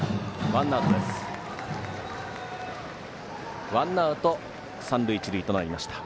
ワンアウト、三塁一塁となりました。